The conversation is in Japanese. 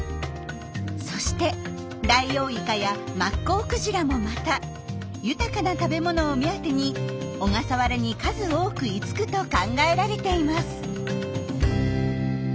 そしてダイオウイカやマッコウクジラもまた豊かな食べ物を目当てに小笠原に数多く居つくと考えられています。